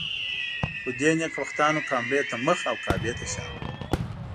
خو دې نېکبختانو کامرې ته مخ او کعبې ته شا کړه.